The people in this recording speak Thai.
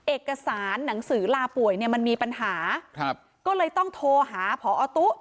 เอกสารหนังสือลาป่วยเนี่ยมันมีปัญหาครับก็เลยต้องโทรหาพอตุ๊